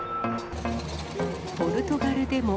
ポルトガルでも。